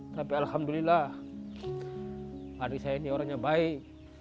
tapi alhamdulillah adik saya ini orang yang baik